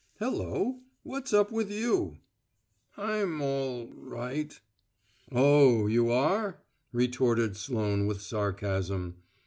"Hello! what's up with you?" "I'm all right." "Oh, you are?" retorted Sloane with sarcasm.